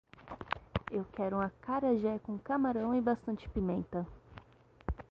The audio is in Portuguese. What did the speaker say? Quero um acarajé com camarão e bastante pimenta